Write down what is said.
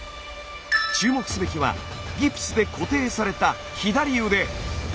注目すべきはギプスで固定された左腕。